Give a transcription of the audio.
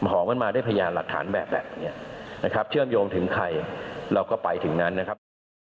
หอมกันมาด้วยพยานหลักฐานแบบแบบนี้นะครับเชื่อมโยงถึงใครเราก็ไปถึงนั้นนะครับ